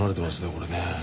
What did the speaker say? これね。